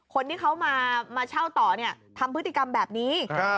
คนที่เขามาเช่าต่อเนี่ยทำพฤติกรรมแบบนี้